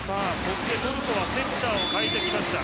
今度はセッターを代えてきました。